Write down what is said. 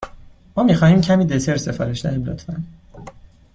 ما می خواهیم کمی دسر سفارش دهیم، لطفا.